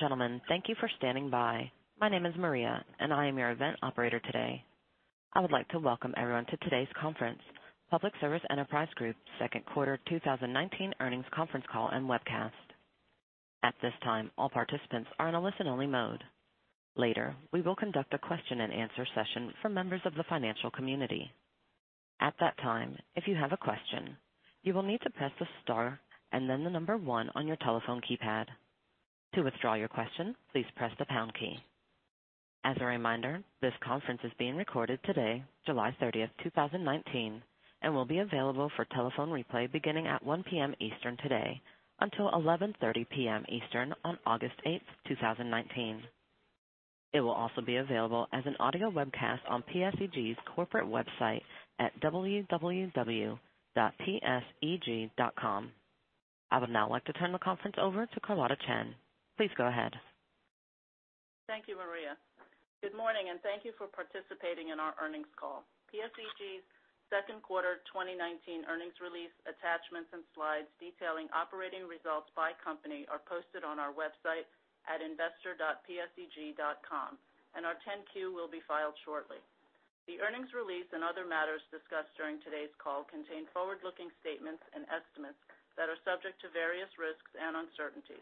Gentlemen, thank you for standing by. My name is Maria. I am your event operator today. I would like to welcome everyone to today's conference, Public Service Enterprise Group Second Quarter 2019 Earnings Conference Call and Webcast. At this time, all participants are in a listen-only mode. Later, we will conduct a question and answer session for members of the financial community. At that time, if you have a question, you will need to press the star and then the number 1 on your telephone keypad. To withdraw your question, please press the pound key. As a reminder, this conference is being recorded today, July 30, 2019, and will be available for telephone replay beginning at 1:00 P.M. Eastern today, until 11:30 P.M. Eastern on August 8, 2019. It will also be available as an audio webcast on PSEG's corporate website at www.pseg.com. I would now like to turn the conference over to Carlotta Chan. Please go ahead. Thank you, Maria. Good morning, and thank you for participating in our earnings call. PSEG's second quarter 2019 earnings release attachments and slides detailing operating results by company are posted on our website at investor.pseg.com. Our 10-Q will be filed shortly. The earnings release and other matters discussed during today's call contain forward-looking statements and estimates that are subject to various risks and uncertainties.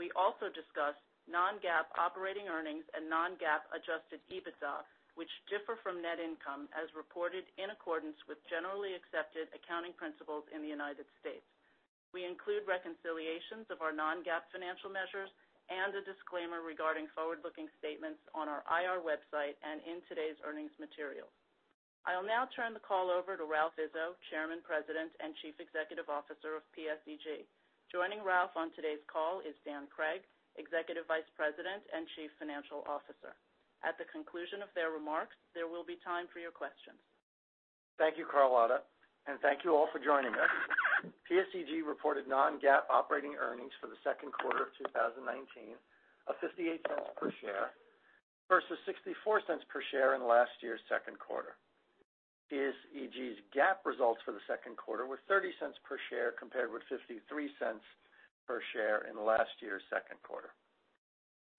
We also discuss non-GAAP operating earnings and non-GAAP adjusted EBITDA, which differ from net income as reported in accordance with generally accepted accounting principles in the United States. We include reconciliations of our non-GAAP financial measures and a disclaimer regarding forward-looking statements on our IR website and in today's earnings materials. I'll now turn the call over to Ralph Izzo, Chairman, President, and Chief Executive Officer of PSEG. Joining Ralph on today's call is Dan Cregg, Executive Vice President and Chief Financial Officer. At the conclusion of their remarks, there will be time for your questions. Thank you, Carlotta, and thank you all for joining us. PSEG reported non-GAAP operating earnings for the second quarter of 2019 of $0.58 per share versus $0.64 per share in last year's second quarter. PSEG's GAAP results for the second quarter were $0.30 per share compared with $0.53 per share in last year's second quarter.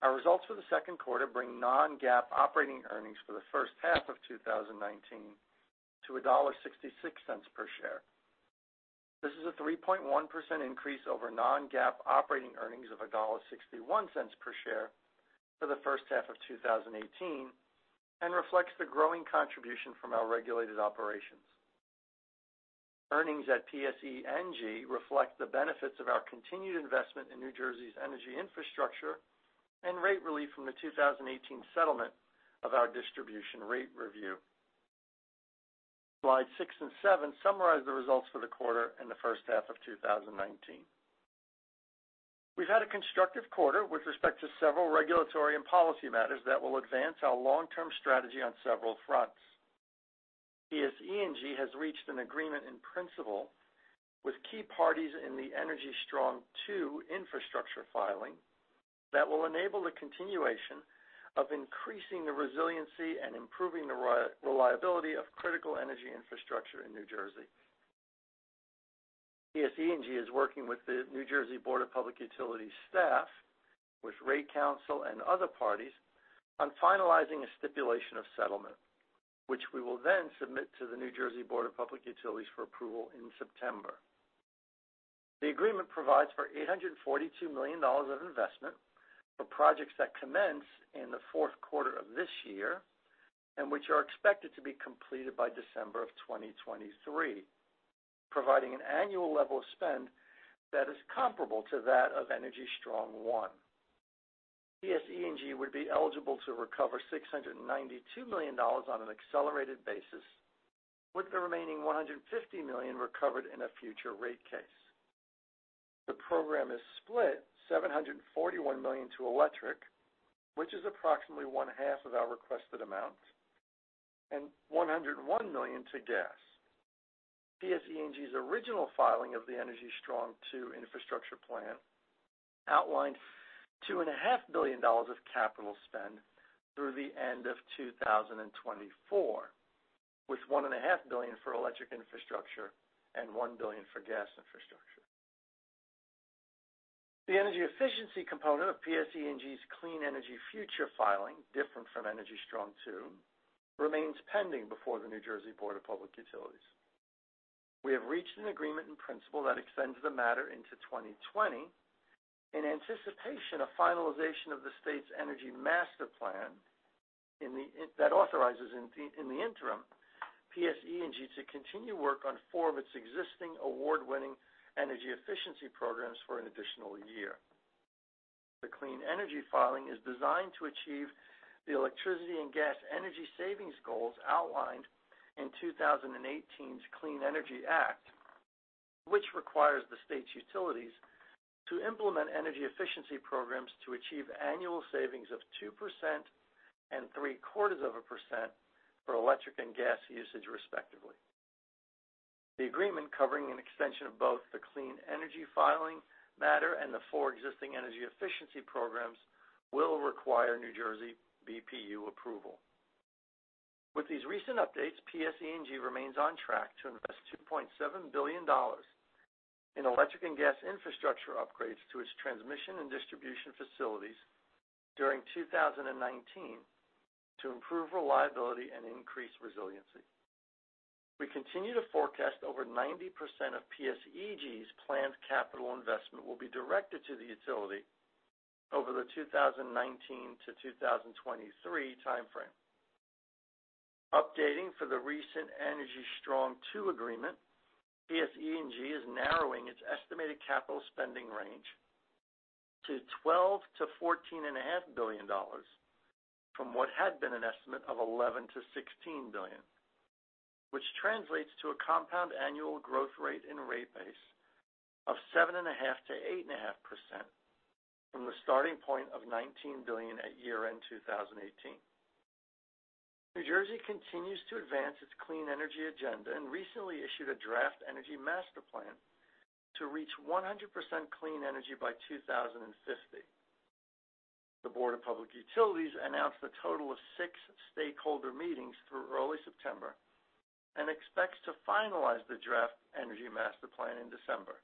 Our results for the second quarter bring non-GAAP operating earnings for the first half of 2019 to $1.66 per share. This is a 3.1% increase over non-GAAP operating earnings of $1.61 per share for the first half of 2018 and reflects the growing contribution from our regulated operations. Earnings at PSE&G reflect the benefits of our continued investment in New Jersey's energy infrastructure and rate relief from the 2018 settlement of our distribution rate review. Slide six and seven summarize the results for the quarter and the first half of 2019. We've had a constructive quarter with respect to several regulatory and policy matters that will advance our long-term strategy on several fronts. PSE&G has reached an agreement in principle with key parties in the Energy Strong 2 infrastructure filing that will enable the continuation of increasing the resiliency and improving the reliability of critical energy infrastructure in New Jersey. PSE&G is working with the New Jersey Board of Public Utilities staff, with Rate Counsel, and other parties on finalizing a stipulation of settlement, which we will then submit to the New Jersey Board of Public Utilities for approval in September. The agreement provides for $842 million of investment for projects that commence in the fourth quarter of this year, and which are expected to be completed by December of 2023, providing an annual level of spend that is comparable to that of Energy Strong 1. PSE&G would be eligible to recover $692 million on an accelerated basis, with the remaining $150 million recovered in a future rate case. The program is split $741 million to electric, which is approximately one-half of our requested amount, and $101 million to gas. PSE&G's original filing of the Energy Strong II infrastructure plan outlined $2.5 billion of capital spend through the end of 2024, with $1.5 billion for electric infrastructure and $1 billion for gas infrastructure. The energy efficiency component of PSE&G's Clean Energy Future filing, different from Energy Strong II, remains pending before the New Jersey Board of Public Utilities. We have reached an agreement in principle that extends the matter into 2020 in anticipation of finalization of the state's Energy Master Plan that authorizes in the interim PSE&G to continue work on four of its existing award-winning energy efficiency programs for an additional year. The Clean Energy filing is designed to achieve the electricity and gas energy savings goals outlined in 2018's Clean Energy Act, which requires the state's utilities to implement energy efficiency programs to achieve annual savings of 2% and three-quarters of a percent for electric and gas usage respectively. The agreement covering an extension of both the Clean Energy filing matter and the four existing energy efficiency programs will require New Jersey BPU approval. With these recent updates, PSEG remains on track to invest $2.7 billion in electric and gas infrastructure upgrades to its transmission and distribution facilities during 2019 to improve reliability and increase resiliency. We continue to forecast over 90% of PSEG's planned capital investment will be directed to the utility over the 2019 to 2023 timeframe. Updating for the recent Energy Strong II agreement, PSEG is narrowing its estimated capital spending range to $12 billion-$14.5 billion from what had been an estimate of $11 billion-$16 billion, which translates to a compound annual growth rate in rate base of 7.5%-8.5% from the starting point of $19 billion at year-end 2018. New Jersey continues to advance its clean energy agenda and recently issued a draft Energy Master Plan to reach 100% clean energy by 2050. The Board of Public Utilities announced a total of six stakeholder meetings through early September and expects to finalize the draft Energy Master Plan in December.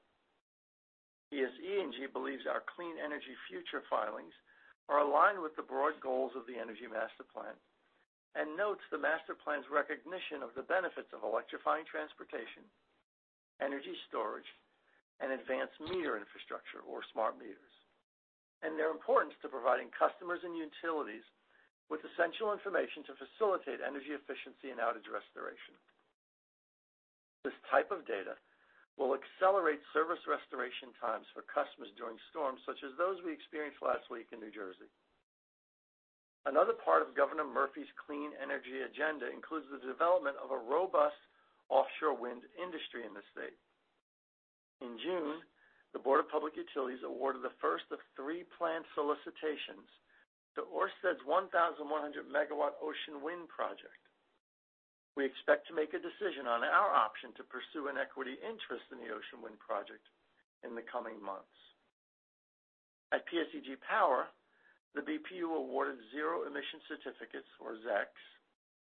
PSEG believes our Clean Energy Future filings are aligned with the broad goals of the Energy Master Plan and notes the Master Plan's recognition of the benefits of electrifying transportation, energy storage, and advanced metering infrastructure or smart meters, and their importance to providing customers and utilities with essential information to facilitate energy efficiency and outage restoration. This type of data will accelerate service restoration times for customers during storms, such as those we experienced last week in New Jersey. Another part of Governor Murphy's clean energy agenda includes the development of a robust offshore wind industry in the state. In June, the Board of Public Utilities awarded the first of three planned solicitations to Ørsted's 1,100-megawatt Ocean Wind project. We expect to make a decision on our option to pursue an equity interest in the Ocean Wind project in the coming months. At PSEG Power, the BPU awarded Zero Emission Certificates, or ZECs,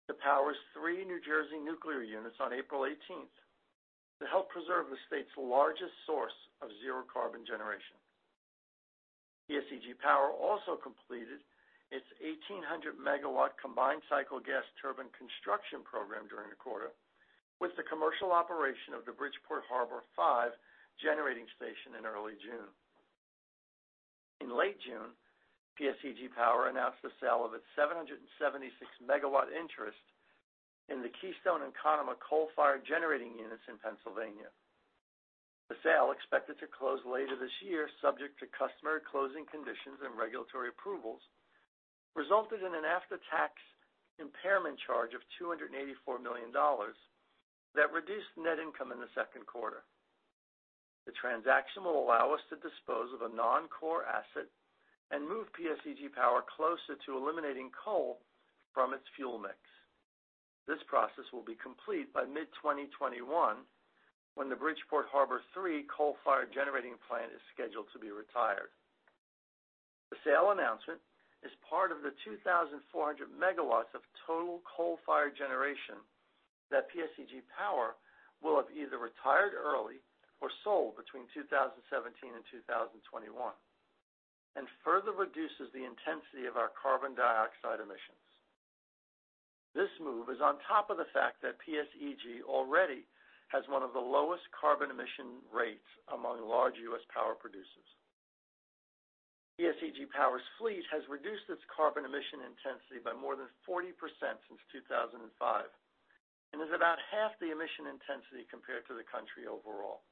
to Power's three New Jersey nuclear units on April 18th to help preserve the state's largest source of zero-carbon generation. PSEG Power also completed its 1,800-megawatt combined cycle gas turbine construction program during the quarter with the commercial operation of the Bridgeport Harbor Station 5 generating station in early June. In late June, PSEG Power announced the sale of its 776-megawatt interest in the Keystone and Conemaugh coal-fired generating units in Pennsylvania. The sale, expected to close later this year subject to customary closing conditions and regulatory approvals, resulted in an after-tax impairment charge of $284 million that reduced net income in the second quarter. The transaction will allow us to dispose of a non-core asset and move PSEG Power closer to eliminating coal from its fuel mix. This process will be complete by mid-2021, when the Bridgeport Harbor 3 coal-fired generating plant is scheduled to be retired. The sale announcement is part of the 2,400 megawatts of total coal-fired generation that PSEG Power will have either retired early or sold between 2017 and 2021 and further reduces the intensity of our carbon dioxide emissions. This move is on top of the fact that PSEG already has one of the lowest carbon emission rates among large U.S. power producers. PSEG Power's fleet has reduced its carbon emission intensity by more than 40% since 2005 and is about half the emission intensity compared to the country overall.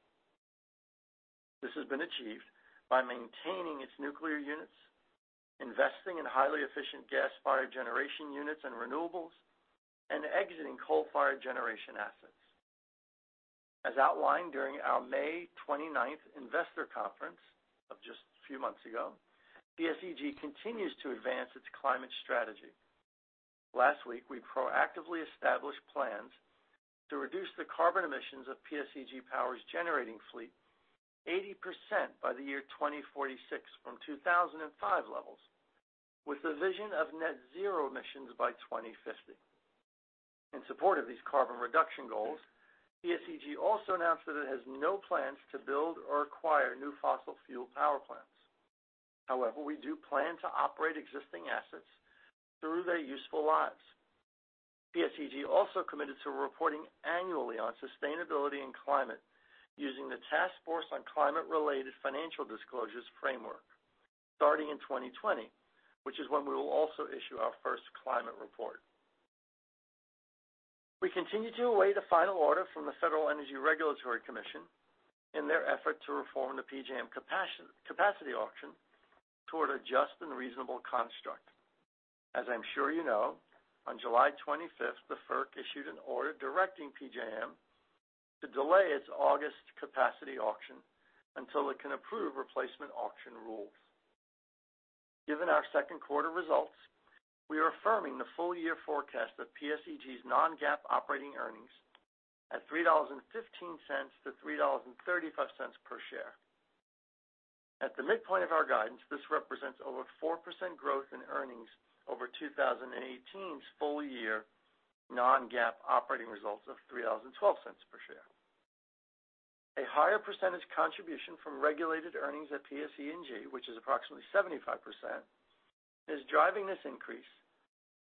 This has been achieved by maintaining its nuclear units, investing in highly efficient gas-fired generation units and renewables, and exiting coal-fired generation assets. As outlined during our May 29th investor conference of just a few months ago, PSEG continues to advance its climate strategy. Last week, we proactively established plans to reduce the carbon emissions of PSEG Power's generating fleet 80% by the year 2046 from 2005 levels with the vision of net zero emissions by 2050. In support of these carbon reduction goals, PSEG also announced that it has no plans to build or acquire new fossil fuel power plants. We do plan to operate existing assets through their useful lives. PSEG also committed to reporting annually on sustainability and climate using the Task Force on Climate-related Financial Disclosures framework starting in 2020, which is when we will also issue our first climate report. We continue to await a final order from the Federal Energy Regulatory Commission in their effort to reform the PJM capacity auction toward a just and reasonable construct. As I'm sure you know, on July 25th, the FERC issued an order directing PJM to delay its August capacity auction until it can approve replacement auction rules. Given our second quarter results, we are affirming the full-year forecast of PSEG's non-GAAP operating earnings at $3.15 to $3.35 per share. At the midpoint of our guidance, this represents over 4% growth in earnings over 2018's full-year non-GAAP operating results of $30.12 per share. A higher percentage contribution from regulated earnings at PSEG, which is approximately 75%, is driving this increase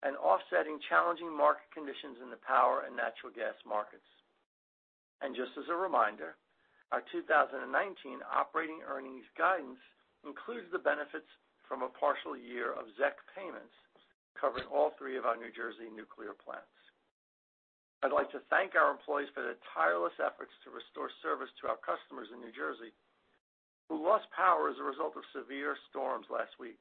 and offsetting challenging market conditions in the power and natural gas markets. Just as a reminder, our 2019 operating earnings guidance includes the benefits from a partial year of ZEC payments covering all three of our New Jersey nuclear plants. I'd like to thank our employees for their tireless efforts to restore service to our customers in New Jersey who lost power as a result of severe storms last week.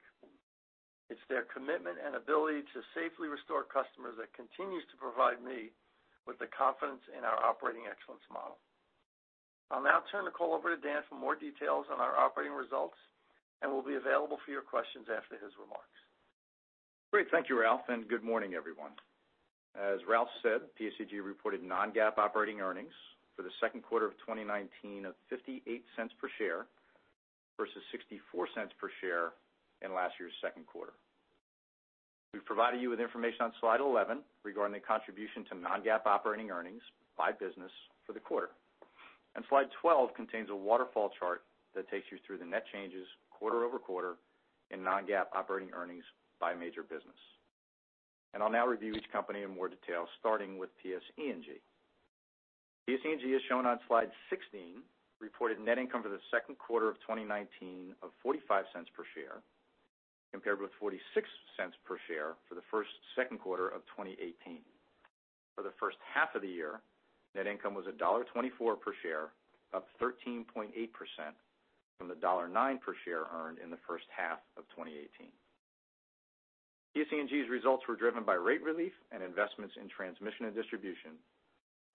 It's their commitment and ability to safely restore customers that continues to provide me with the confidence in our operating excellence model. I'll now turn the call over to Dan for more details on our operating results, and we'll be available for your questions after his remarks. Great. Thank you, Ralph, good morning, everyone. As Ralph said, PSEG reported non-GAAP operating earnings for the second quarter of 2019 of $0.58 per share versus $0.64 per share in last year's second quarter. We've provided you with information on slide 11 regarding the contribution to non-GAAP operating earnings by business for the quarter. Slide 12 contains a waterfall chart that takes you through the net changes quarter-over-quarter in non-GAAP operating earnings by major business. I'll now review each company in more detail, starting with PSEG. PSEG, as shown on slide 16, reported net income for the second quarter of 2019 of $0.45 per share, compared with $0.46 per share for the second quarter of 2018. For the first half of the year, net income was $1.24 per share, up 13.8% from the $1.09 per share earned in the first half of 2018. PSEG's results were driven by rate relief and investments in transmission and distribution,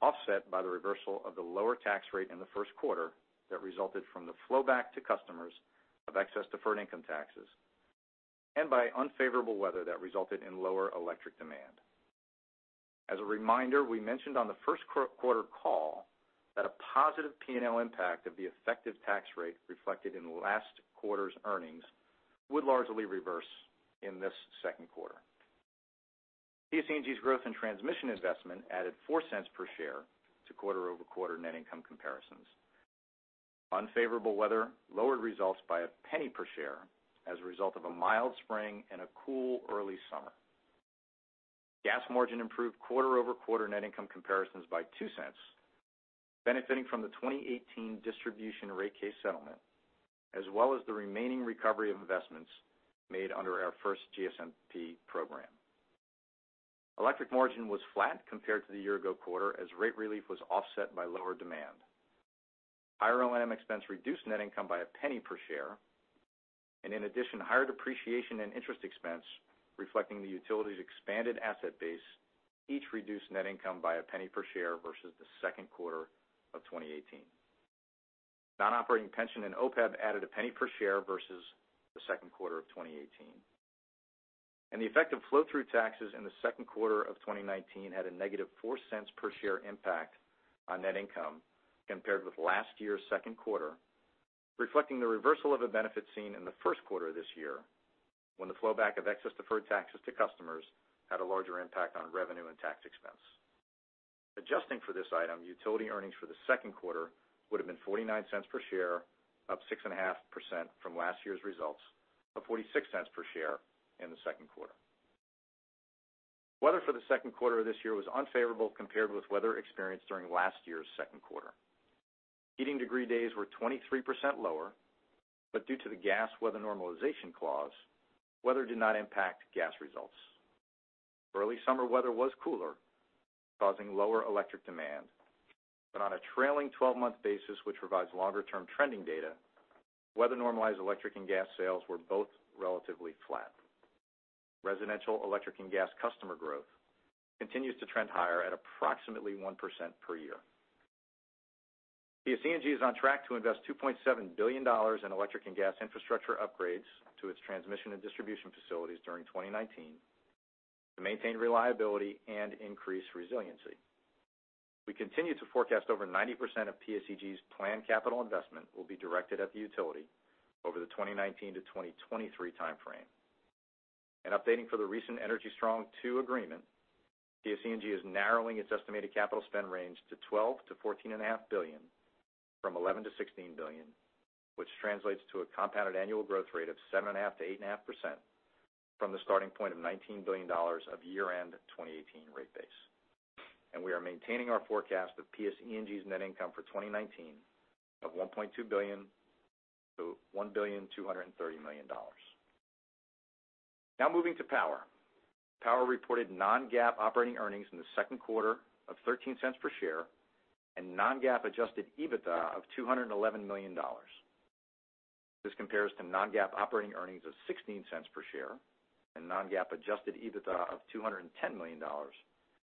offset by the reversal of the lower tax rate in the first quarter that resulted from the flow back to customers of excess deferred income taxes and by unfavorable weather that resulted in lower electric demand. As a reminder, we mentioned on the first quarter call that a positive P&L impact of the effective tax rate reflected in last quarter's earnings would largely reverse in this second quarter. PSEG's growth in transmission investment added $0.04 per share to quarter-over-quarter net income comparisons. Unfavorable weather lowered results by $0.01 per share as a result of a mild spring and a cool early summer. Gas margin improved quarter-over-quarter net income comparisons by $0.02, benefiting from the 2018 distribution rate case settlement, as well as the remaining recovery of investments made under our first GSMP program. Electric margin was flat compared to the year-ago quarter, as rate relief was offset by lower demand. Higher O&M expense reduced net income by $0.01 per share. In addition, higher depreciation and interest expense reflecting the utility's expanded asset base, each reduced net income by $0.01 per share versus the second quarter of 2018. Non-operating pension and OPEB added $0.01 per share versus the second quarter of 2018. The effect of flow-through taxes in the second quarter of 2019 had a negative $0.04 per share impact on net income compared with last year's second quarter, reflecting the reversal of a benefit seen in the first quarter of this year, when the flow back of excess deferred taxes to customers had a larger impact on revenue and tax expense. Adjusting for this item, utility earnings for the second quarter would have been $0.49 per share, up 6.5% from last year's results of $0.46 per share in the second quarter. Weather for the second quarter of this year was unfavorable compared with weather experienced during last year's second quarter. Heating degree days were 23% lower, but due to the gas weather normalization clause, weather did not impact gas results. Early summer weather was cooler, causing lower electric demand. On a trailing 12-month basis, which provides longer-term trending data, weather normalized electric and gas sales were both relatively flat. Residential electric and gas customer growth continues to trend higher at approximately 1% per year. PSEG is on track to invest $2.7 billion in electric and gas infrastructure upgrades to its transmission and distribution facilities during 2019 to maintain reliability and increase resiliency. We continue to forecast over 90% of PSEG's planned capital investment will be directed at the utility over the 2019 to 2023 timeframe. Updating for the recent Energy Strong 2 agreement, PSEG is narrowing its estimated capital spend range to $12 billion-$14.5 billion from $11 billion-$16 billion, which translates to a compounded annual growth rate of 7.5%-8.5% from the starting point of $19 billion of year-end 2018 rate base. We are maintaining our forecast of PSEG's net income for 2019 of $1.2 billion to $1.23 billion. Now moving to Power. Power reported non-GAAP operating earnings in the second quarter of $0.13 per share and non-GAAP adjusted EBITDA of $211 million. This compares to non-GAAP operating earnings of $0.16 per share and non-GAAP adjusted EBITDA of $210 million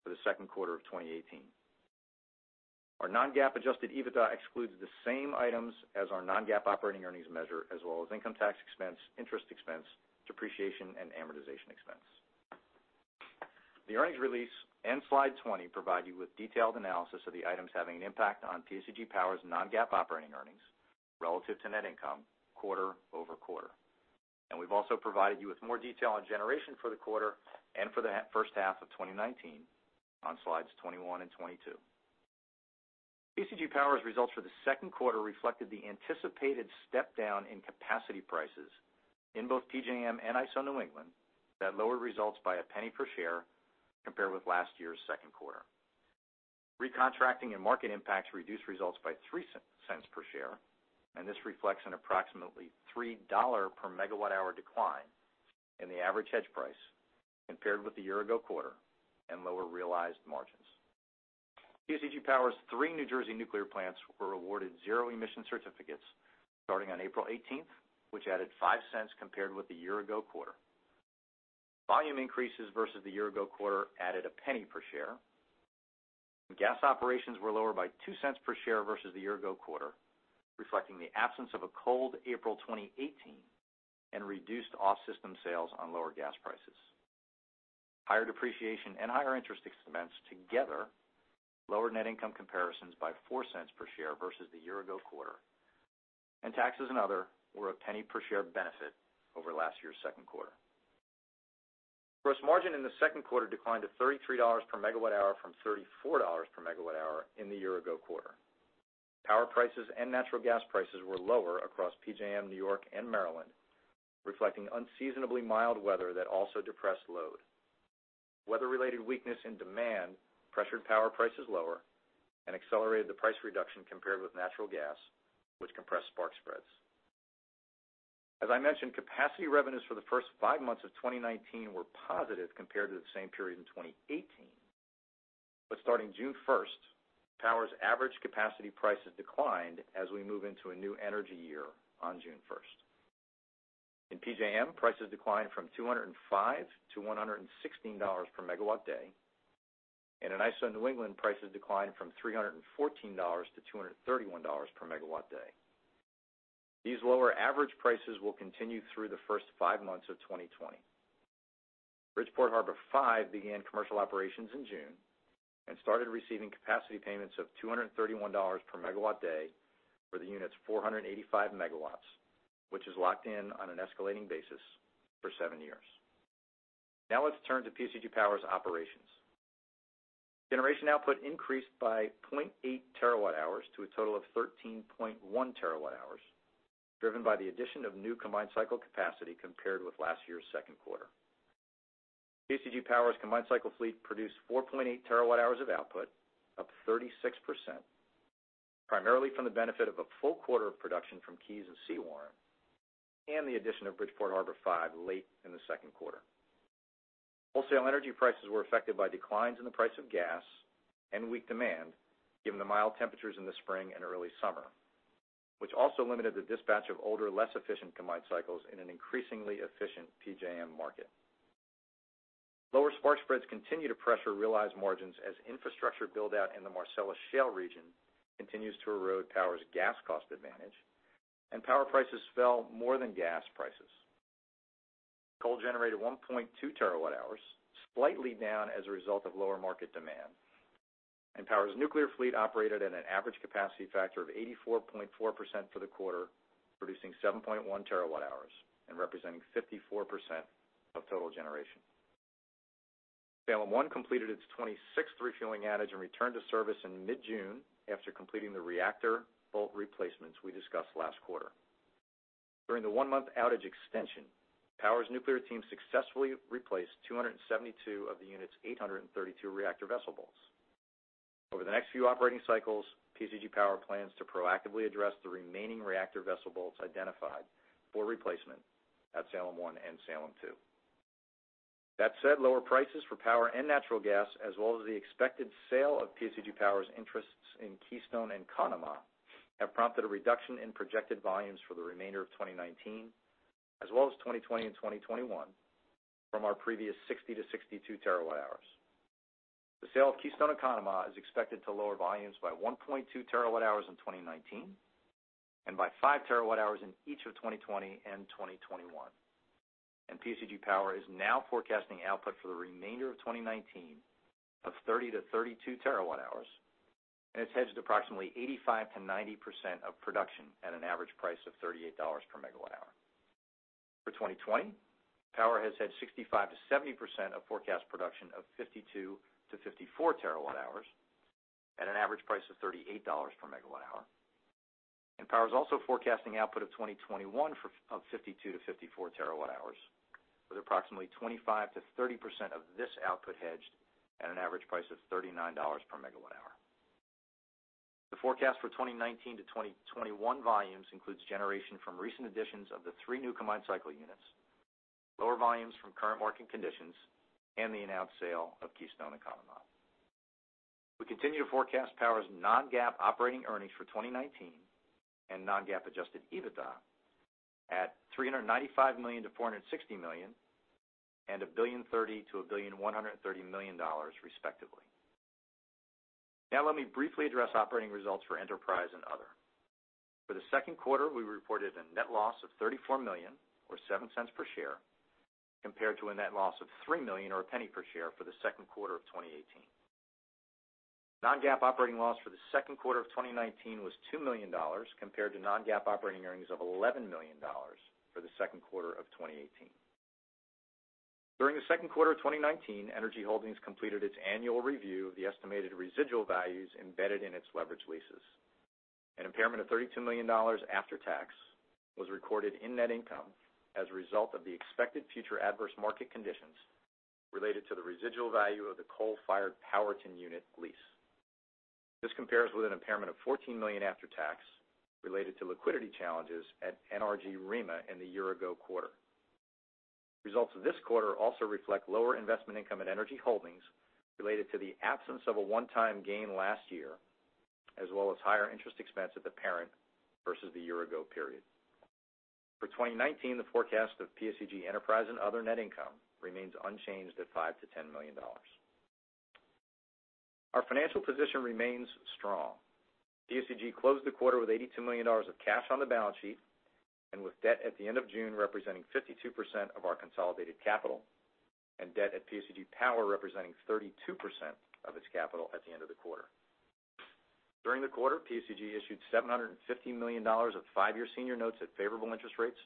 for the second quarter of 2018. Our non-GAAP adjusted EBITDA excludes the same items as our non-GAAP operating earnings measure, as well as income tax expense, interest expense, depreciation, and amortization expense. The earnings release and Slide 20 provide you with detailed analysis of the items having an impact on PSEG Power's non-GAAP operating earnings relative to net income quarter-over-quarter. We've also provided you with more detail on generation for the quarter and for the first half of 2019 on Slides 21 and 22. PSEG Power's results for the second quarter reflected the anticipated step-down in capacity prices in both PJM and ISO New England that lowered results by $0.01 per share compared with last year's second quarter. Recontracting and market impacts reduced results by $0.03 per share, this reflects an approximately $3 per megawatt hour decline in the average hedge price compared with the year-ago quarter and lower realized margins. PSEG Power's three New Jersey nuclear plants were awarded zero emission certificates starting on April 18th, which added $0.05 compared with the year-ago quarter. Volume increases versus the year-ago quarter added $0.01 per share. Gas operations were lower by $0.02 per share versus the year-ago quarter, reflecting the absence of a cold April 2018 and reduced off-system sales on lower gas prices. Higher depreciation and higher interest expense together lowered net income comparisons by $0.04 per share versus the year-ago quarter. Taxes and other were a $0.01 per share benefit over last year's second quarter. Gross margin in the second quarter declined to $33 per megawatt hour from $34 per megawatt hour in the year-ago quarter. Power prices and natural gas prices were lower across PJM New York and Maryland, reflecting unseasonably mild weather that also depressed load. Weather-related weakness and demand pressured power prices lower and accelerated the price reduction compared with natural gas, which compressed spark spreads. As I mentioned, capacity revenues for the first five months of 2019 were positive compared to the same period in 2018. Starting June 1st, Power's average capacity prices declined as we move into a new energy year on June 1st. In PJM, prices declined from $205 to $116 per megawatt day. In ISO New England, prices declined from $314 to $231 per megawatt day. These lower average prices will continue through the first five months of 2020. Bridgeport Harbor 5 began commercial operations in June and started receiving capacity payments of $231 per megawatt day for the unit's 485 megawatts, which is locked in on an escalating basis for seven years. Now let's turn to PSEG Power's operations. Generation output increased by 0.8 terawatt hours to a total of 13.1 terawatt hours, driven by the addition of new combined cycle capacity compared with last year's second quarter. PSEG Power's combined cycle fleet produced 4.8 terawatt hours of output, up 36%, primarily from the benefit of a full quarter of production from Keys and Sewaren and the addition of Bridgeport Harbor 5 late in the second quarter. Wholesale energy prices were affected by declines in the price of gas and weak demand, given the mild temperatures in the spring and early summer, which also limited the dispatch of older, less efficient combined cycles in an increasingly efficient PJM market. Lower spark spreads continue to pressure realized margins as infrastructure build-out in the Marcellus Shale region continues to erode power's gas cost advantage and power prices fell more than gas prices. Coal generated 1.2 terawatt hours, slightly down as a result of lower market demand. Power's nuclear fleet operated at an average capacity factor of 84.4% for the quarter, producing 7.1 terawatt hours and representing 54% of total generation. Salem One completed its 26th refueling outage and returned to service in mid-June after completing the reactor bolt replacements we discussed last quarter. During the one-month outage extension, Power's nuclear team successfully replaced 272 of the unit's 832 reactor vessel bolts. Over the next few operating cycles, PSEG Power plans to proactively address the remaining reactor vessel bolts identified for replacement at Salem One and Salem Two. That said, lower prices for power and natural gas, as well as the expected sale of PSEG Power's interests in Keystone and Conemaugh, have prompted a reduction in projected volumes for the remainder of 2019, as well as 2020 and 2021 from our previous 60 to 62 terawatt hours. The sale of Keystone and Conemaugh is expected to lower volumes by 1.2 terawatt hours in 2019 and by five terawatt hours in each of 2020 and 2021. PSEG Power is now forecasting output for the remainder of 2019 of 30 to 32 terawatt hours, and it's hedged approximately 85%-90% of production at an average price of $38 per megawatt hour. For 2020, Power has hedged 65%-70% of forecast production of 52 to 54 terawatt hours at an average price of $38 per megawatt hour. Power is also forecasting output of 2021 of 52 to 54 terawatt hours, with approximately 25%-30% of this output hedged at an average price of $39 per megawatt hour. The forecast for 2019 to 2021 volumes includes generation from recent additions of the three new combined cycle units, lower volumes from current market conditions, and the announced sale of Keystone and Conemaugh. We continue to forecast Power's non-GAAP operating earnings for 2019 and non-GAAP adjusted EBITDA at $395 million to $460 million and $1.030 billion to $1.130 billion, respectively. Let me briefly address operating results for Enterprise and Other. For the second quarter, we reported a net loss of $34 million, or $0.07 per share, compared to a net loss of $3 million or $0.01 per share for the second quarter of 2018. Non-GAAP operating loss for the second quarter of 2019 was $2 million, compared to non-GAAP operating earnings of $11 million for the second quarter of 2018. During the second quarter of 2019, Energy Holdings completed its annual review of the estimated residual values embedded in its leveraged leases. An impairment of $32 million after tax was recorded in net income as a result of the expected future adverse market conditions related to the residual value of the coal-fired Powerton unit lease. This compares with an impairment of $14 million after tax related to liquidity challenges at NRG REMA in the year-ago quarter. Results of this quarter also reflect lower investment income at Energy Holdings related to the absence of a one-time gain last year, as well as higher interest expense at the parent versus the year-ago period. For 2019, the forecast of PSEG Enterprise and Other net income remains unchanged at $5 million-$10 million. Our financial position remains strong. PSEG closed the quarter with $82 million of cash on the balance sheet, and with debt at the end of June representing 52% of our consolidated capital, and debt at PSEG Power representing 32% of its capital at the end of the quarter. During the quarter, PSEG issued $750 million of five-year senior notes at favorable interest rates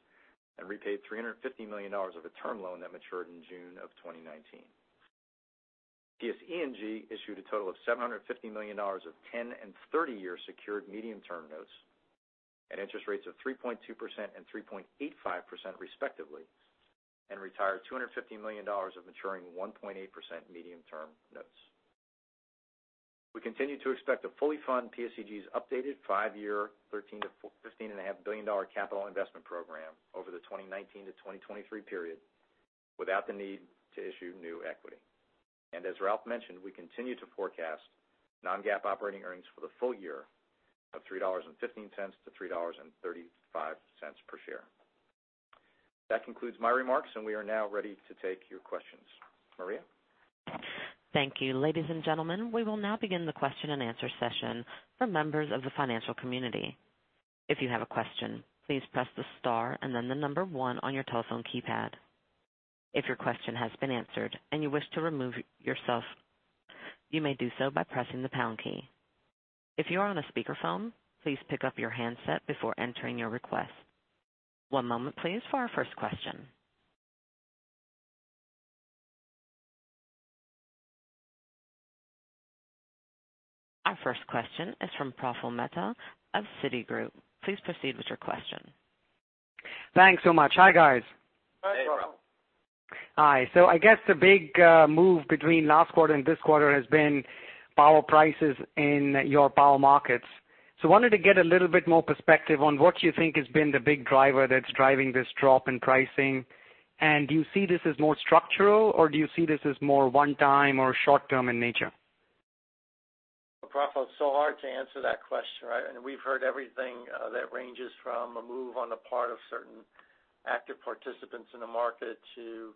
and repaid $350 million of a term loan that matured in June of 2019. PSE&G issued a total of $750 million of 10 and 30-year secured medium-term notes at interest rates of 3.2% and 3.85% respectively, and retired $250 million of maturing 1.8% medium-term notes. We continue to expect to fully fund PSEG's updated five-year $13 billion-$15.5 billion capital investment program over the 2019 to 2023 period without the need to issue new equity. As Ralph mentioned, we continue to forecast non-GAAP operating earnings for the full year of $3.15 to $3.35 per share. That concludes my remarks, and we are now ready to take your questions. Maria? Thank you. Ladies and gentlemen, we will now begin the question and answer session for members of the financial community. If you have a question, please press the star and then the number 1 on your telephone keypad. If your question has been answered and you wish to remove yourself, you may do so by pressing the pound key. If you are on a speakerphone, please pick up your handset before entering your request. One moment please for our first question. Our first question is from Praful Mehta of Citigroup. Please proceed with your question. Thanks so much. Hi, guys. Hey. Hey, Praful. Hi. I guess the big move between last quarter and this quarter has been power prices in your power markets. I wanted to get a little bit more perspective on what you think has been the big driver that's driving this drop in pricing. Do you see this as more structural, or do you see this as more one-time or short-term in nature? Praful, it's so hard to answer that question, right? We've heard everything that ranges from a move on the part of certain active participants in the market to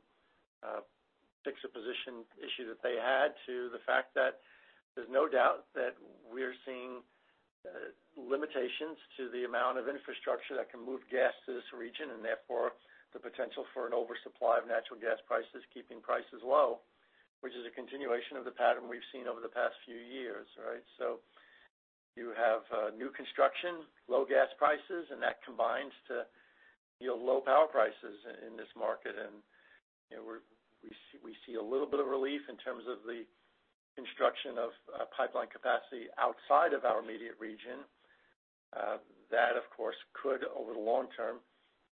fix a position issue that they had to the fact that there's no doubt that we're seeing limitations to the amount of infrastructure that can move gas to this region, and therefore the potential for an oversupply of natural gas prices keeping prices low, which is a continuation of the pattern we've seen over the past few years, right? You have new construction, low gas prices, and that combines to yield low power prices in this market. We see a little bit of relief in terms of the construction of pipeline capacity outside of our immediate region. That, of course, could, over the long term,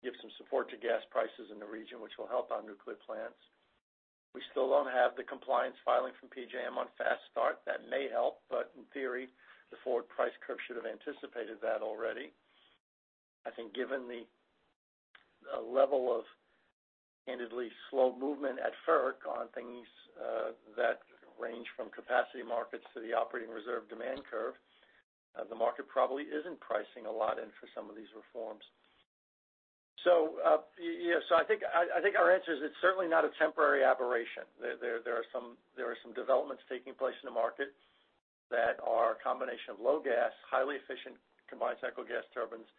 give some support to gas prices in the region, which will help our nuclear plants. We still don't have the compliance filing from PJM on Fast Start. That may help, but in theory, the forward price curve should have anticipated that already. I think given the level of candidly slow movement at FERC on things that range from capacity markets to the operating reserve demand curve, the market probably isn't pricing a lot in for some of these reforms. I think our answer is it's certainly not a temporary aberration. There are some developments taking place in the market that are a combination of low gas, highly efficient combined cycle gas turbines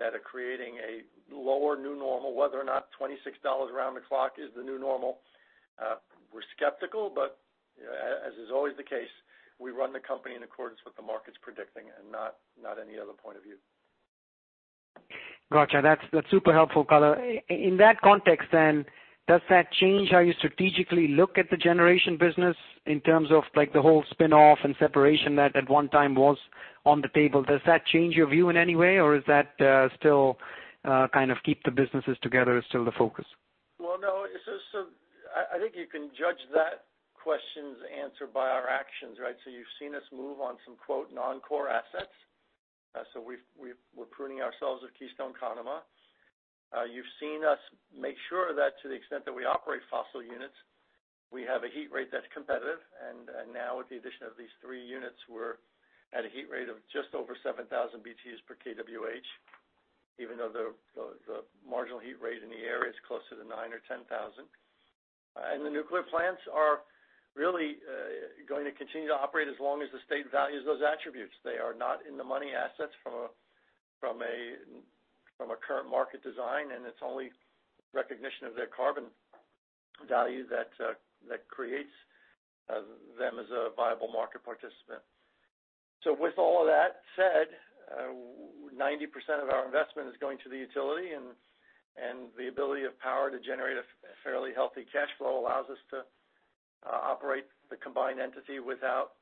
that are creating a lower new normal. Whether or not $26 around the clock is the new normal, we're skeptical. As is always the case, we run the company in accordance with the market's predicting and not any other point of view. Gotcha. That is super helpful color. In that context, does that change how you strategically look at the generation business in terms of the whole spin-off and separation that at one time was on the table? Does that change your view in any way, or is that still kind of keep the businesses together is still the focus? No. I think you can judge that question's answer by our actions, right? You've seen us move on some, quote, "non-core assets." We're pruning ourselves of Keystone Conemaugh. You've seen us make sure that to the extent that we operate fossil units, we have a heat rate that's competitive. Now with the addition of these three units, we're at a heat rate of just over 7,000 BTUs per kWh, even though the marginal heat rate in the area is closer to 9 or 10,000. The nuclear plants are really going to continue to operate as long as the state values those attributes. They are not in the money assets from a current market design, and it's only recognition of their carbon value that creates them as a viable market participant. With all of that said, 90% of our investment is going to the utility, and the ability of power to generate a fairly healthy cash flow allows us to operate the combined entity without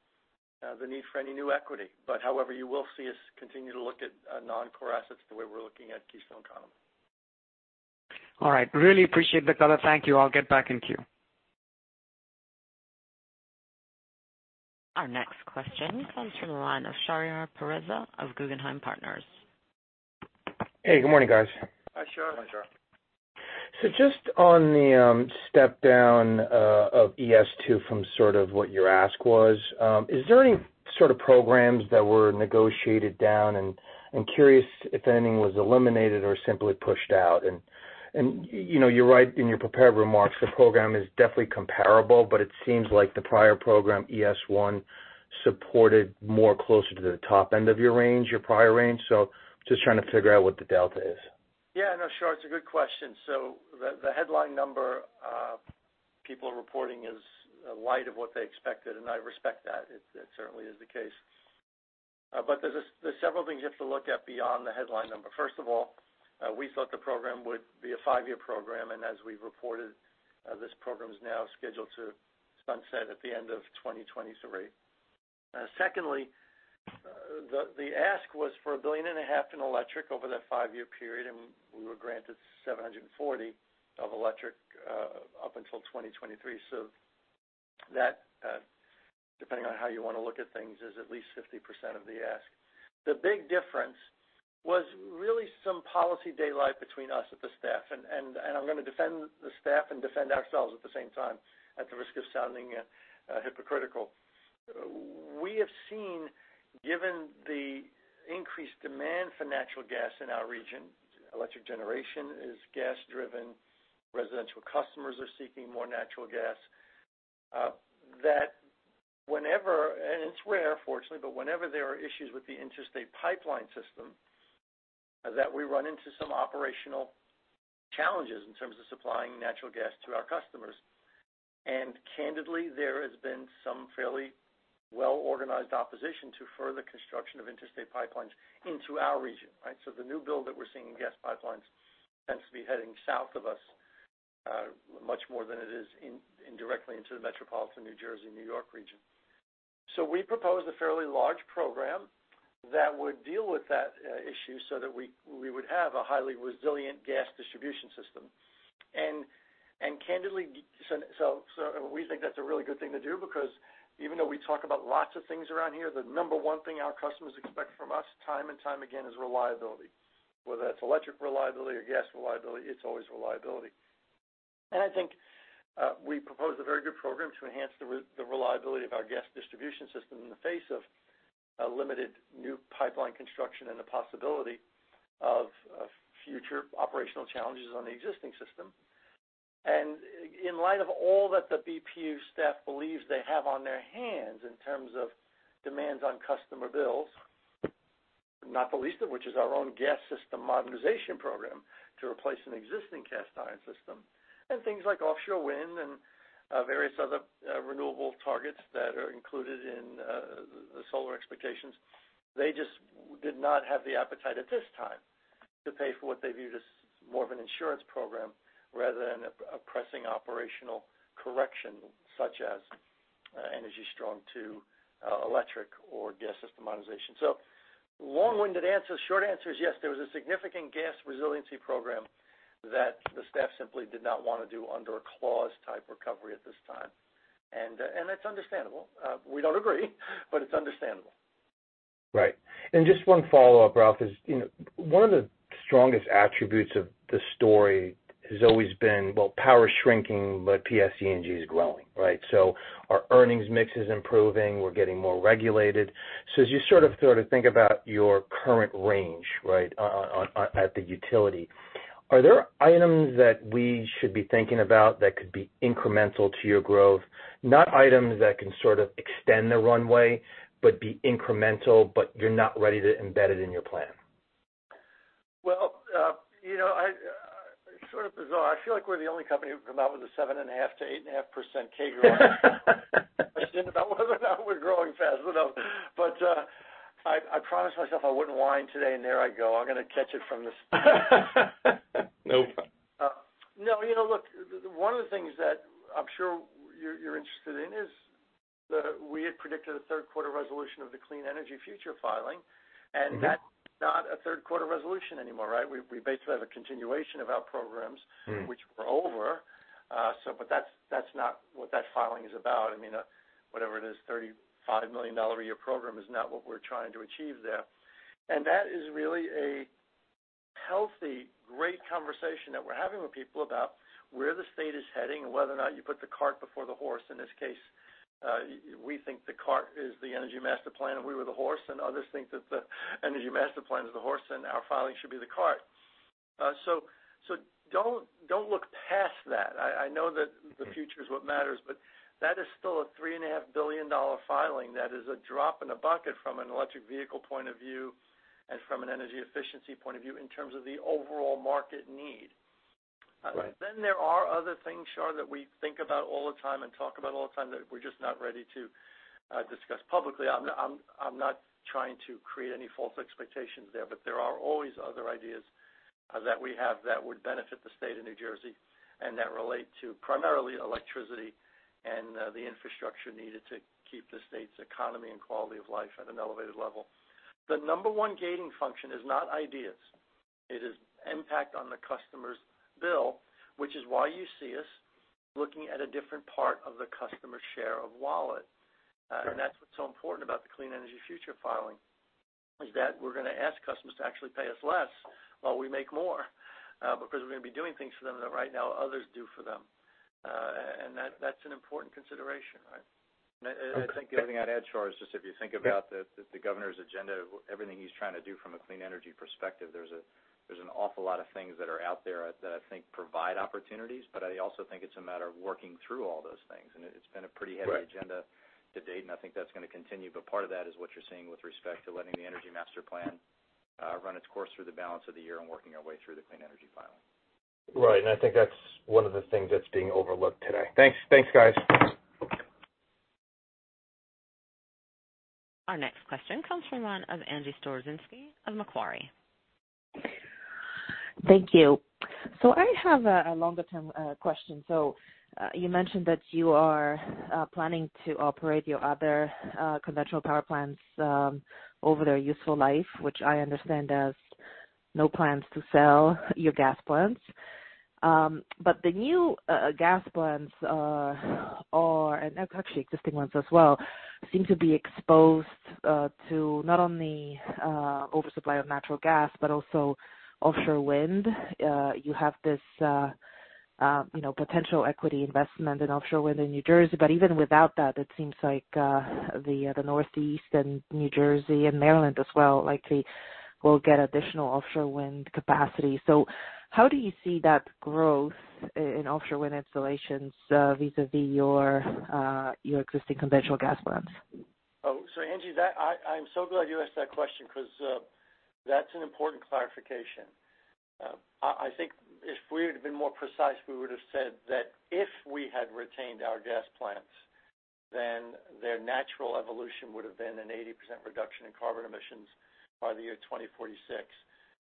the need for any new equity. However, you will see us continue to look at non-core assets the way we're looking at Keystone and Conemaugh. All right. Really appreciate the color. Thank you. I'll get back in queue. Our next question comes from the line of Shahriar Pourreza of Guggenheim Partners. Hey, good morning, guys. Hi, Shahriar. Hi, Shahriar. Just on the step-down of ES2 from sort of what your ask was, is there any sort of programs that were negotiated down? I'm curious if anything was eliminated or simply pushed out. You're right in your prepared remarks, the program is definitely comparable, but it seems like the prior program, ES1, supported more closer to the top end of your range, your prior range. Just trying to figure out what the delta is. Yeah, no, Shahriar, it's a good question. The headline number people are reporting is light of what they expected, and I respect that. It certainly is the case. There's several things you have to look at beyond the headline number. First of all, we thought the program would be a 5-year program, and as we've reported, this program is now scheduled to sunset at the end of 2023. Secondly, the ask was for $ a billion and a half in electric over that 5-year period, and we were granted $740 of electric up until 2023. That, depending on how you want to look at things, is at least 50% of the ask. The big difference was really some policy daylight between us and the staff. I'm going to defend the staff and defend ourselves at the same time, at the risk of sounding hypocritical. We have seen, given the increased demand for natural gas in our region, electric generation is gas-driven, residential customers are seeking more natural gas, that whenever, and it's rare, fortunately, but whenever there are issues with the interstate pipeline system, that we run into some operational challenges in terms of supplying natural gas to our customers. Candidly, there has been some fairly well-organized opposition to further construction of interstate pipelines into our region, right? The new build that we're seeing in gas pipelines tends to be heading south of us much more than it is indirectly into the metropolitan New Jersey, New York region. We proposed a fairly large program that would deal with that issue so that we would have a highly resilient gas distribution system. We think that's a really good thing to do because even though we talk about lots of things around here, the number one thing our customers expect from us time and time again is reliability. Whether that's electric reliability or gas reliability, it's always reliability. I think we proposed a very good program to enhance the reliability of our gas distribution system in the face of limited new pipeline construction and the possibility of future operational challenges on the existing system. In light of all that the BPU staff believes they have on their hands in terms of demands on customer bills, not the least of which is our own Gas System Modernization Program to replace an existing cast iron system, and things like Ocean Wind and various other renewable targets that are included in the solar expectations. They just did not have the appetite at this time to pay for what they viewed as more of an insurance program rather than a pressing operational correction, such as Energy Strong II electric or gas system modernization. Long-winded answer. Short answer is yes, there was a significant gas resiliency program that the staff simply did not want to do under a clause-type recovery at this time. That's understandable. We don't agree, but it's understandable. Right. Just one follow-up, Ralph, is one of the strongest attributes of the story has always been, well, Power is shrinking, but PSE&G is growing, right? Our earnings mix is improving. We're getting more regulated. As you sort of think about your current range, right, at the utility, are there items that we should be thinking about that could be incremental to your growth? Not items that can sort of extend the runway, but be incremental, but you're not ready to embed it in your plan? Well, sort of bizarre. I feel like we're the only company who've come out with a 7.5%-8.5% CAGR. Questioning about whether or not we're growing fast enough. I promised myself I wouldn't whine today, and there I go. I'm going to catch it from the staff. No problem. Look, one of the things that I'm sure you're interested in is that we had predicted a third quarter resolution of the Clean Energy Future filing. That's not a third quarter resolution anymore, right? We basically have a continuation of our programs. which were over. That's not what that filing is about. I mean, whatever it is, $35 million a year program is not what we're trying to achieve there. That is really a healthy, great conversation that we're having with people about where the state is heading and whether or not you put the cart before the horse in this case. We think the cart is the Energy Master Plan, and we were the horse, and others think that the Energy Master Plan is the horse, and our filing should be the cart. Don't look past that. I know that the future is what matters, that is still a $3.5 billion filing. That is a drop in a bucket from an electric vehicle point of view and from an energy efficiency point of view in terms of the overall market need. Right. There are other things, Char, that we think about all the time and talk about all the time that we're just not ready to discuss publicly. I'm not trying to create any false expectations there are always other ideas that we have that would benefit the state of New Jersey and that relate to primarily electricity and the infrastructure needed to keep the state's economy and quality of life at an elevated level. The number one gating function is not ideas. It is impact on the customer's bill, which is why you see us looking at a different part of the customer's share of wallet. Sure. That's what's so important about the Clean Energy Future filing, is that we're going to ask customers to actually pay us less while we make more, because we're going to be doing things for them that right now others do for them. That's an important consideration. Right. I think the only thing I'd add, Char, is just if you think about the governor's agenda, everything he's trying to do from a clean energy perspective, there's an awful lot of things that are out there that I think provide opportunities. I also think it's a matter of working through all those things, and it's been a pretty heavy agenda to date, and I think that's going to continue. Part of that is what you're seeing with respect to letting the Energy Master Plan run its course through the balance of the year and working our way through the clean energy filing. Right. I think that's one of the things that's being overlooked today. Thanks. Thanks, guys. Our next question comes from one of Angie Storozynski of Macquarie. Thank you. I have a longer-term question. You mentioned that you are planning to operate your other conventional power plants over their useful life, which I understand as no plans to sell your gas plants. The new gas plants are, and actually existing ones as well, seem to be exposed to not only oversupply of natural gas but also offshore wind. You have this potential equity investment in offshore wind in New Jersey. Even without that, it seems like the Northeast and New Jersey and Maryland as well likely will get additional offshore wind capacity. How do you see that growth in offshore wind installations vis-à-vis your existing conventional gas plants? Angie, I'm so glad you asked that question because that's an important clarification. I think if we had been more precise, we would have said that if we had retained our gas plants, then their natural evolution would have been an 80% reduction in carbon emissions by the year 2046.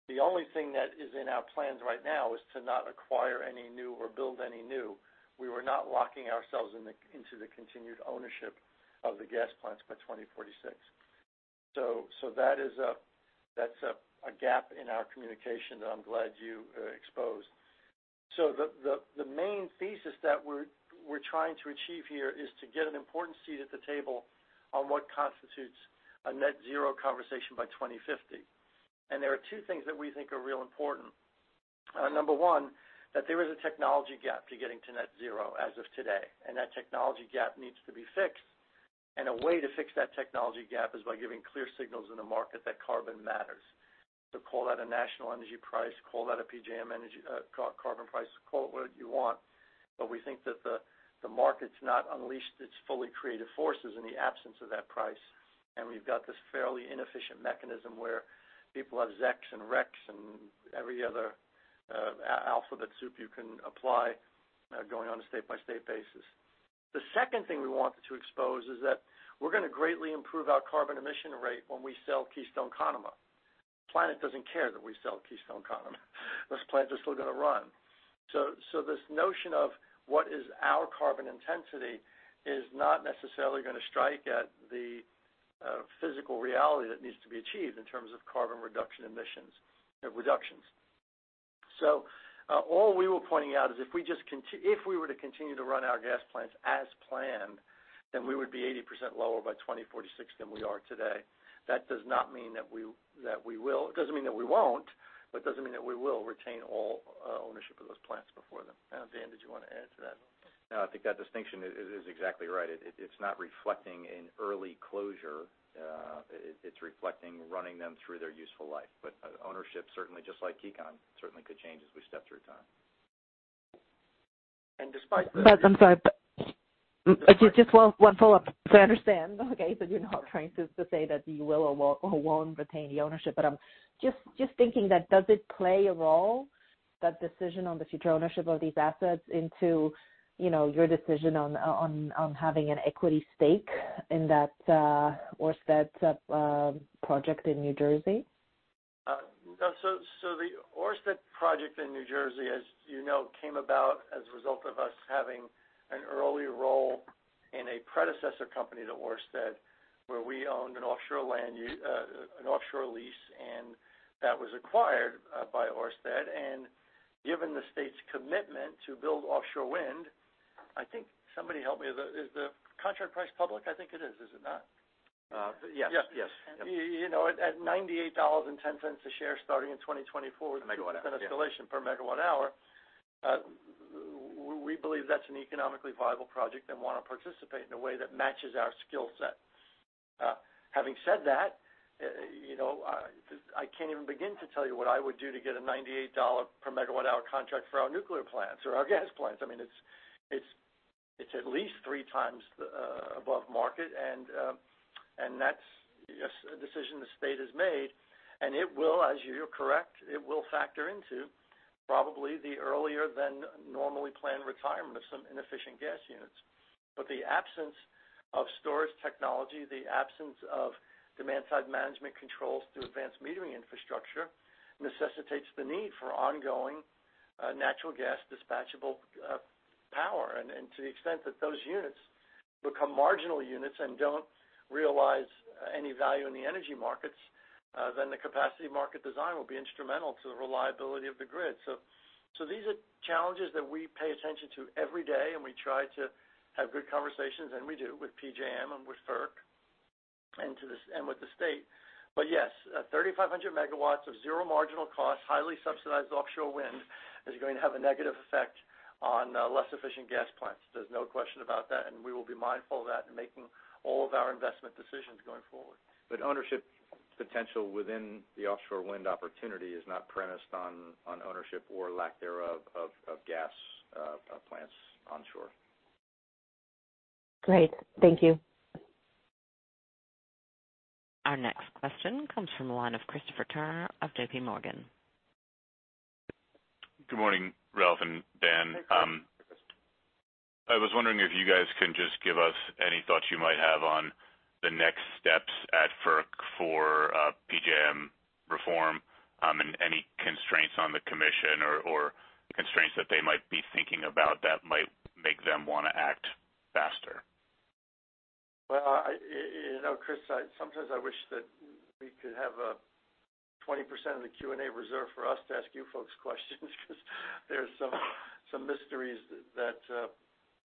The only thing that is in our plans right now is to not acquire any new or build any new. We were not locking ourselves into the continued ownership of the gas plants by 2046. That's a gap in our communication that I'm glad you exposed. The main thesis that we're trying to achieve here is to get an important seat at the table on what constitutes a net zero conversation by 2050. There are two things that we think are real important. Number one, that there is a technology gap to getting to net zero as of today, that technology gap needs to be fixed. A way to fix that technology gap is by giving clear signals in the market that carbon matters. Call that a national energy price, call that a PJM carbon price, call it what you want, we think that the market's not unleashed its fully creative forces in the absence of that price. We've got this fairly inefficient mechanism where people have ZECs and RECs and every other alphabet soup you can apply going on a state-by-state basis. The second thing we want to expose is that we're going to greatly improve our carbon emission rate when we sell Keystone Conemaugh. The planet doesn't care that we sell Keystone Conemaugh. Those plants are still going to run. This notion of what is our carbon intensity is not necessarily going to strike at the physical reality that needs to be achieved in terms of carbon reduction emissions reductions. All we were pointing out is if we were to continue to run our gas plants as planned, then we would be 80% lower by 2046 than we are today. That does not mean that we will. It doesn't mean that we won't, but it doesn't mean that we will retain all ownership of those plants before then. Dan, did you want to add to that? No, I think that distinction is exactly right. It's not reflecting an early closure. It's reflecting running them through their useful life. Ownership certainly just like KeyCon, certainly could change as we step through time. Despite the. I'm sorry. Just one follow-up. I understand, okay, that you're not trying to say that you will or won't retain the ownership, but I'm just thinking that does it play a role, that decision on the future ownership of these assets into your decision on having an equity stake in that Ørsted project in New Jersey? The Ørsted project in New Jersey, as you know, came about as a result of us having an early role in a predecessor company to Ørsted, where we owned an offshore lease, and that was acquired by Ørsted. Given the state's commitment to build offshore wind, I think somebody help me, is the contract price public? I think it is. Is it not? Yes. At $98.10 a share starting in 2024. A megawatt hour, yeah. with an installation per megawatt hour. We believe that's an economically viable project and want to participate in a way that matches our skill set. Having said that, I can't even begin to tell you what I would do to get a $98 per megawatt hour contract for our nuclear plants or our gas plants. It's at least three times above market and that's a decision the state has made. It will, you're correct, it will factor into probably the earlier than normally planned retirement of some inefficient gas units. The absence of storage technology, the absence of demand side management controls through advanced metering infrastructure, necessitates the need for ongoing natural gas dispatchable power. To the extent that those units become marginal units and don't realize any value in the energy markets, then the capacity market design will be instrumental to the reliability of the grid. These are challenges that we pay attention to every day, and we try to have good conversations, and we do, with PJM and with FERC and with the state. Yes, 3,500 megawatts of zero marginal cost, highly subsidized offshore wind is going to have a negative effect on less efficient gas plants. There's no question about that, and we will be mindful of that in making all of our investment decisions going forward. Ownership potential within the offshore wind opportunity is not premised on ownership or lack thereof of gas plants onshore. Great. Thank you. Our next question comes from the line of Christopher Turnure of JP Morgan. Good morning, Ralph and Dan. Good morning, Chris. I was wondering if you guys can just give us any thoughts you might have on the next steps at FERC for PJM reform, and any constraints on the commission or constraints that they might be thinking about that might make them want to act faster? Well, Chris, sometimes I wish that we could have 20% of the Q&A reserved for us to ask you folks questions, because there's some mysteries that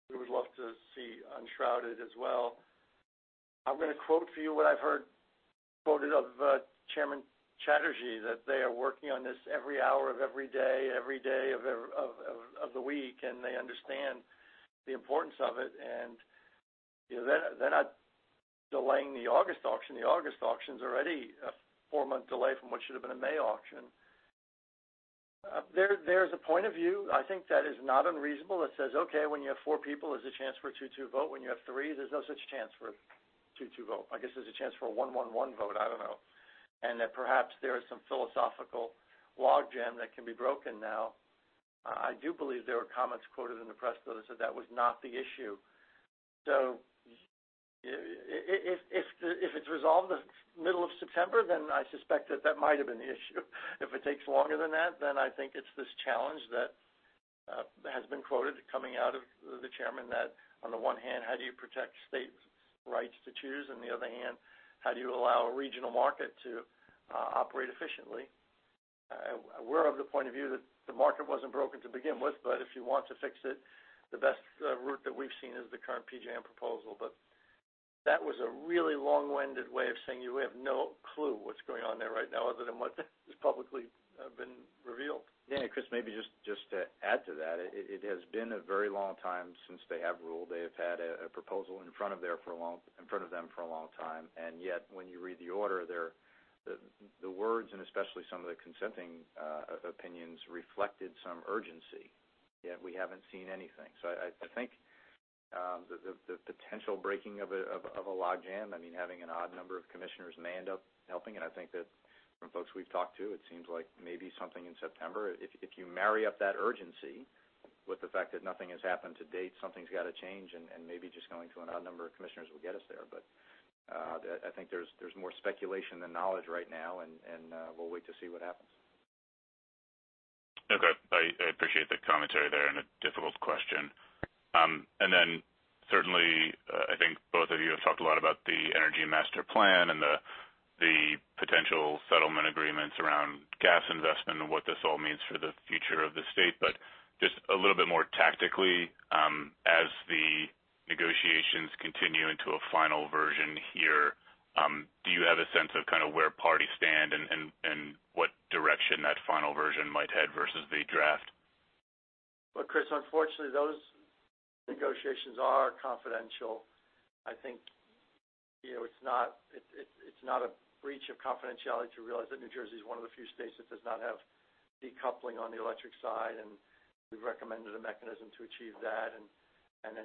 we would love to see unshrouded as well. I'm going to quote for you what I've heard quoted of Chairman Chatterjee, that they are working on this every hour of every day, every day of the week, and they understand the importance of it, and they're not delaying the August auction. The August auction's already a four-month delay from what should've been a May auction. There's a point of view, I think, that is not unreasonable that says, okay, when you have four people, there's a chance for a two-two vote. When you have three, there's no such chance for a two-two vote. I guess there's a chance for a one-one-one vote, I don't know. That perhaps there is some philosophical logjam that can be broken now. I do believe there were comments quoted in the press though that said that was not the issue. If it's resolved in the middle of September, then I suspect that that might have been the issue. If it takes longer than that, then I think it's this challenge that has been quoted coming out of the Chairman that on the one hand, how do you protect states' rights to choose? On the other hand, how do you allow a regional market to operate efficiently? We're of the point of view that the market wasn't broken to begin with, but if you want to fix it, the best route that we've seen is the current PJM proposal. That was a really long-winded way of saying we have no clue what's going on there right now other than what has publicly been revealed. Yeah, Chris, maybe just to add to that, it has been a very long time since they have ruled. They have had a proposal in front of them for a long time, and yet when you read the order, the words and especially some of the consenting opinions reflected some urgency, yet we haven't seen anything. I think the potential breaking of a logjam, having an odd number of commissioners may end up helping, and I think that from folks we've talked to, it seems like maybe something in September. If you marry up that urgency with the fact that nothing has happened to date, something's got to change, and maybe just going to an odd number of commissioners will get us there. I think there's more speculation than knowledge right now, and we'll wait to see what happens. Okay. I appreciate the commentary there on a difficult question. Certainly, I think both of you have talked a lot about the Energy Master Plan and the potential settlement agreements around gas investment and what this all means for the future of the state. Just a little bit more tactically, as the negotiations continue into a final version here, do you have a sense of where parties stand and what direction that final version might head versus the draft? Well, Chris, unfortunately, those negotiations are confidential. I think it's not a breach of confidentiality to realize that New Jersey is one of the few states that does not have decoupling on the electric side, and we've recommended a mechanism to achieve that.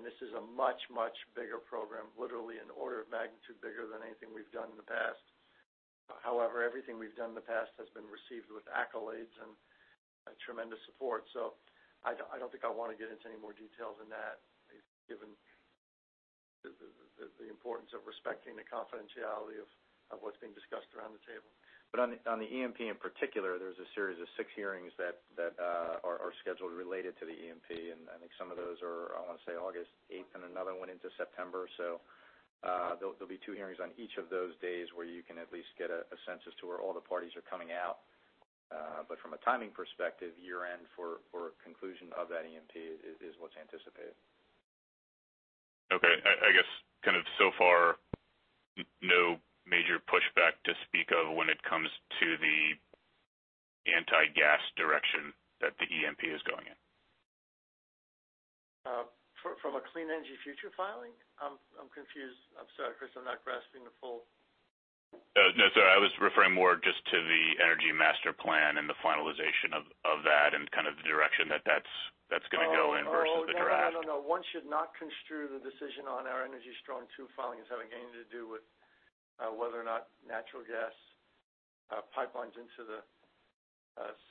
This is a much, much bigger program, literally an order of magnitude bigger than anything we've done in the past. However, everything we've done in the past has been received with accolades and tremendous support. I don't think I want to get into any more detail than that, given the importance of respecting the confidentiality of what's being discussed around the table. On the EMP in particular, there's a series of six hearings that are scheduled related to the EMP, and I think some of those are, I want to say August 8th and another one into September. There'll be two hearings on each of those days where you can at least get a sense as to where all the parties are coming out. From a timing perspective, year-end for conclusion of that EMP is what's anticipated. Okay. To the anti-gas direction that the EMP is going in. From a Clean Energy Future filing? I'm confused. I'm sorry, Chris, I'm not grasping the full No, sorry. I was referring more just to the Energy Master Plan and the finalization of that and kind of the direction that that's going to go in versus the draft. Oh, no. One should not construe the decision on our Energy Strong II filing as having anything to do with whether or not natural gas pipelines into the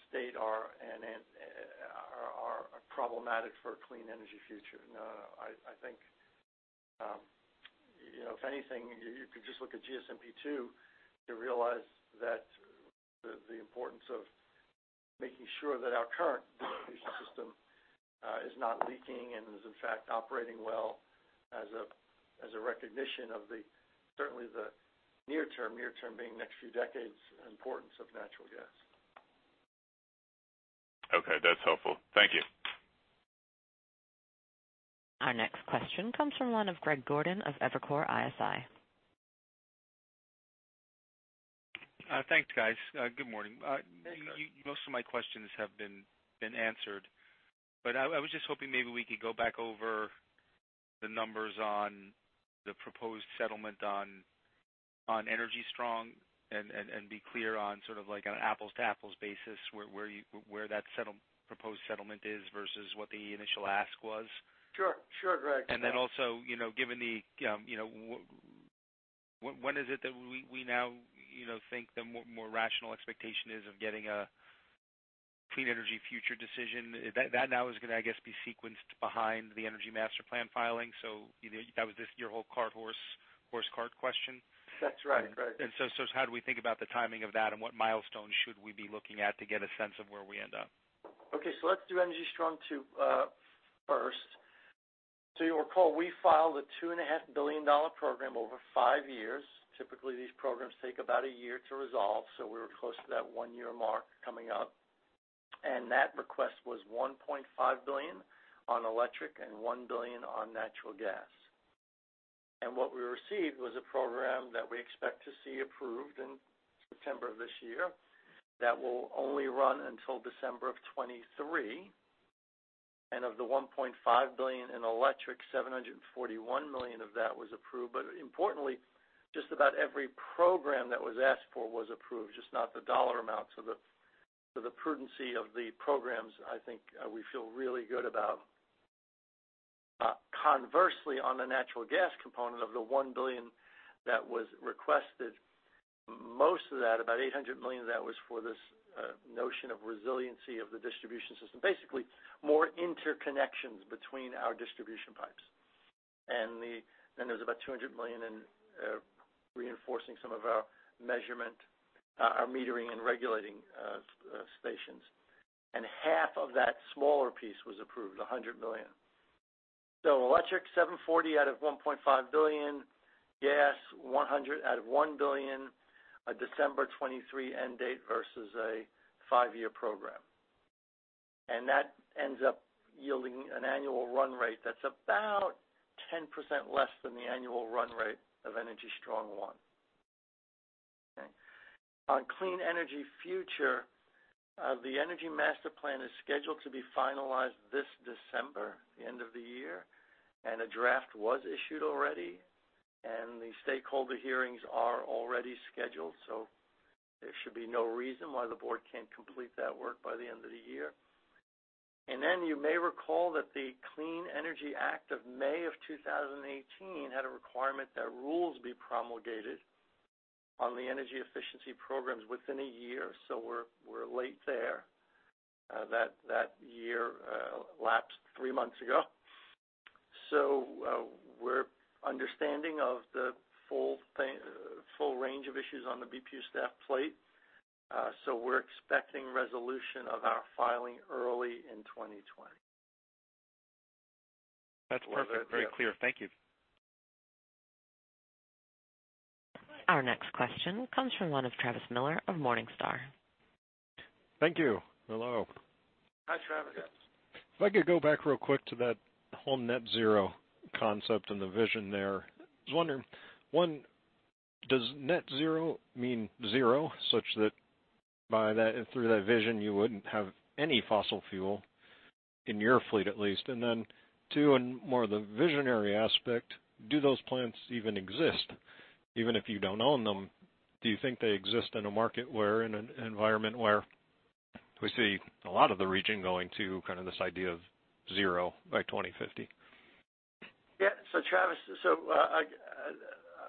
state are problematic for a Clean Energy Future. No. I think, if anything, you could just look at GSMP II to realize that the importance of making sure that our current distribution system is not leaking and is in fact operating well as a recognition of the, certainly the near term, near term being next few decades, importance of natural gas. Okay, that's helpful. Thank you. Our next question comes from the line of Greg Gordon of Evercore ISI. Thanks, guys. Good morning. Hey, Greg. Most of my questions have been answered, but I was just hoping maybe we could go back over the numbers on the proposed settlement on Energy Strong and be clear on sort of like on an apples to apples basis where that proposed settlement is versus what the initial ask was. Sure, Greg. Also, given the, when is it that we now think the more rational expectation is of getting a Clean Energy Future decision? That now is going to, I guess, be sequenced behind the Energy Master Plan filing. That was just your whole horse cart question. That's right, Greg. How do we think about the timing of that, and what milestones should we be looking at to get a sense of where we end up? Okay, let's do Energy Strong II first. You'll recall, we filed a $2.5 billion program over five years. Typically, these programs take about a year to resolve, we were close to that one-year mark coming up. That request was $1.5 billion on electric and $1 billion on natural gas. What we received was a program that we expect to see approved in September of this year that will only run until December of 2023. Of the $1.5 billion in electric, $741 million of that was approved. Importantly, just about every program that was asked for was approved, just not the dollar amount. The prudency of the programs, I think we feel really good about. Conversely, on the natural gas component of the $1 billion that was requested, most of that, about $800 million of that, was for this notion of resiliency of the distribution system. Basically, more interconnections between our distribution pipes. There's about $200 million in reinforcing some of our measurement, our metering, and regulating stations. Half of that smaller piece was approved, $100 million. Electric, $740 out of $1.5 billion, gas, $100 out of $1 billion, a December 2023 end date versus a five-year program. That ends up yielding an annual run rate that's about 10% less than the annual run rate of Energy Strong 1. Okay. On Clean Energy Future, the Energy Master Plan is scheduled to be finalized this December, the end of the year. A draft was issued already. The stakeholder hearings are already scheduled. There should be no reason why the Board can't complete that work by the end of the year. You may recall that the Clean Energy Act of May of 2018 had a requirement that rules be promulgated on the energy efficiency programs within a year. We're late there. That year lapsed three months ago. We're understanding of the full range of issues on the BPU staff plate. We're expecting resolution of our filing early in 2020. That's perfect. Very clear. Thank you. Our next question comes from the line of Travis Miller of Morningstar. Thank you. Hello. Hi, Travis. If I could go back real quick to that whole net zero concept and the vision there. I was wondering, one, does net zero mean zero, such that through that vision, you wouldn't have any fossil fuel in your fleet, at least? Two, in more of the visionary aspect, do those plants even exist? Even if you don't own them, do you think they exist in a market where in an environment where we see a lot of the region going to kind of this idea of zero by 2050? Yeah. Travis, I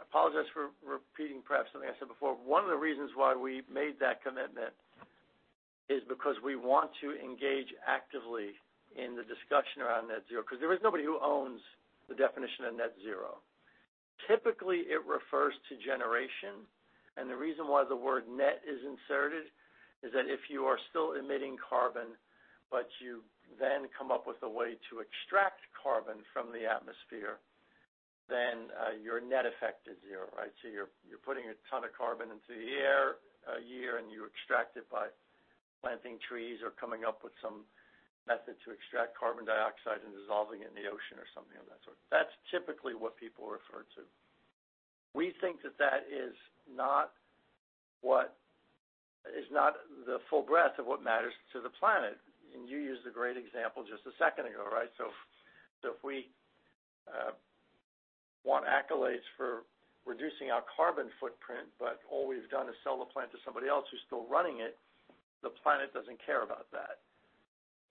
apologize for repeating perhaps something I said before. One of the reasons why we made that commitment is because we want to engage actively in the discussion around net zero, because there is nobody who owns the definition of net zero. Typically, it refers to generation, and the reason why the word net is inserted is that if you are still emitting carbon, but you then come up with a way to extract carbon from the atmosphere, then your net effect is zero, right? You're putting a ton of carbon into the air a year. Planting trees or coming up with some method to extract carbon dioxide and dissolving it in the ocean or something of that sort. That's typically what people refer to. We think that that is not the full breadth of what matters to the planet. You used a great example just a second ago, right? If we want accolades for reducing our carbon footprint, but all we've done is sell the plant to somebody else who's still running it, the planet doesn't care about that.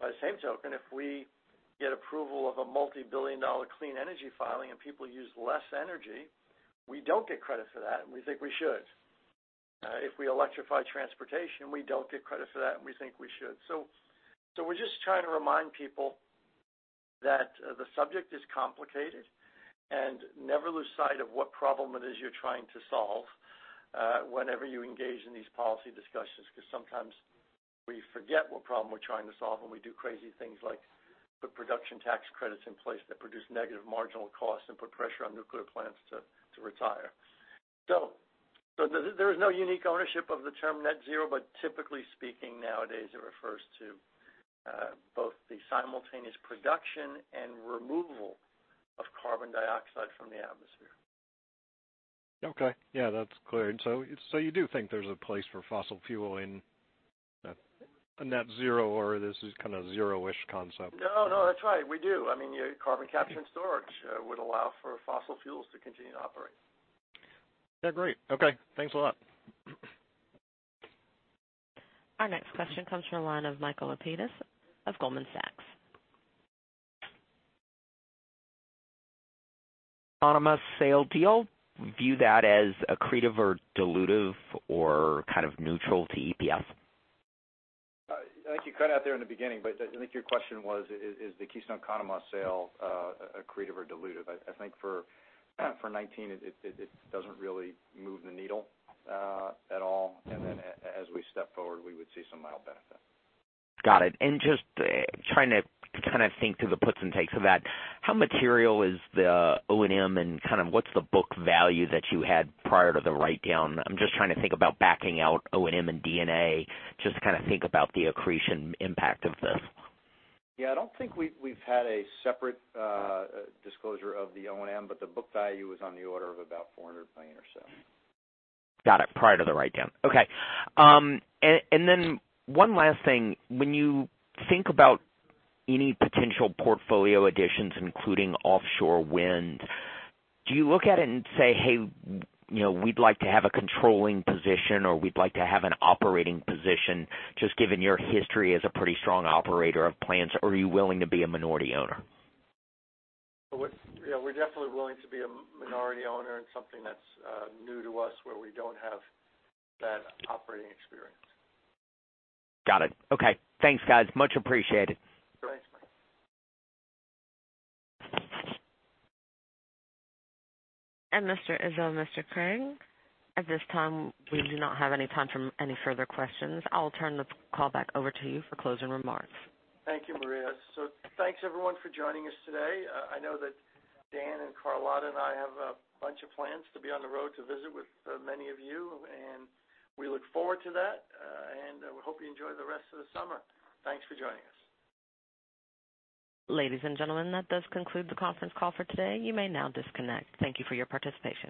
By the same token, if we get approval of a multi-billion-dollar clean energy filing and people use less energy, we don't get credit for that, and we think we should. If we electrify transportation, we don't get credit for that, and we think we should. We're just trying to remind people that the subject is complicated, and never lose sight of what problem it is you're trying to solve whenever you engage in these policy discussions, because sometimes we forget what problem we're trying to solve, and we do crazy things like put production tax credits in place that produce negative marginal costs and put pressure on nuclear plants to retire. There is no unique ownership of the term net zero, but typically speaking, nowadays, it refers to both the simultaneous production and removal of carbon dioxide from the atmosphere. Okay. Yeah, that's clear. You do think there's a place for fossil fuel in a net zero or this is kind of zero-ish concept? No, that's right. We do. carbon capture and storage would allow for fossil fuels to continue to operate. Yeah, great. Okay. Thanks a lot. Our next question comes from the line of Michael Lapides of Goldman Sachs. Conemaugh sale deal, view that as accretive or dilutive or kind of neutral to EPS? I think you cut out there in the beginning, I think your question was, is the Keystone Conemaugh sale accretive or dilutive? I think for 2019, it doesn't really move the needle at all. As we step forward, we would see some mild benefit. Got it. Just trying to think through the puts and takes of that, how material is the O&M and what's the book value that you had prior to the write-down? I'm just trying to think about backing out O&M and D&A, just to think about the accretion impact of this. Yeah, I don't think we've had a separate disclosure of the O&M, but the book value is on the order of about $400 million or so. Got it. Prior to the write-down. Okay. One last thing. When you think about any potential portfolio additions, including offshore wind, do you look at it and say, "Hey, we'd like to have a controlling position," or, "We'd like to have an operating position," just given your history as a pretty strong operator of plants, or are you willing to be a minority owner? Yeah, we're definitely willing to be a minority owner in something that's new to us where we don't have that operating experience. Got it. Okay. Thanks, guys. Much appreciated. Thanks, Mike. Mr. Izzo, Mr. Cregg, at this time, we do not have any time for any further questions. I'll turn the call back over to you for closing remarks. Thank you, Maria. Thanks everyone for joining us today. I know that Dan and Carlotta and I have a bunch of plans to be on the road to visit with many of you, we look forward to that. We hope you enjoy the rest of the summer. Thanks for joining us. Ladies and gentlemen, that does conclude the conference call for today. You may now disconnect. Thank you for your participation.